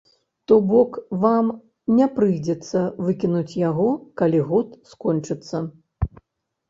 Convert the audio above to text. То бок, вам не прыйдзецца выкінуць яго, калі год скончыцца.